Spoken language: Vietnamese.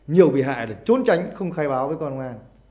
nhiều bị hại là trốn tránh không khai báo với công an